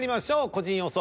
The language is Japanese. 個人予想